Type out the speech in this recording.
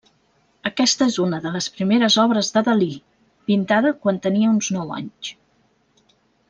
Aquesta és una de les primeres obres de Dalí, pintada quan tenia uns nou anys.